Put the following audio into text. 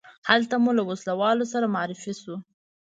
هلته مو له ولسوال سره معرفي شوو.